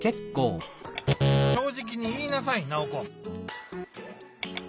「正じきにいいなさいナオコ」。